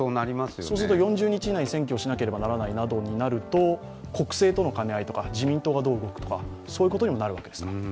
そうすると４０日以内に選挙しなければならないとなると国政との兼ね合いとか、自民党がどう動くとか、そういうことにもなるわけですか？